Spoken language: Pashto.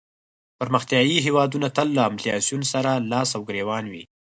پرمختیایې هېوادونه تل له انفلاسیون سره لاس او ګریوان وي.